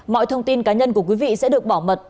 mọi thông tin cá nhân của quý vị sẽ được bảo mật